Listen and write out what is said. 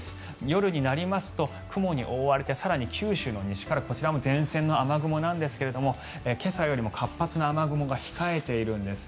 夜になりますと雲に覆われて更に九州の西からこちらも前線の雨雲なんですが今朝よりも活発な雨雲が控えているんです。